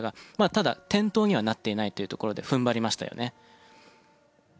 ただ転倒にはなっていないというところで踏ん張りましたよね。